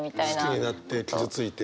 好きになって傷ついて。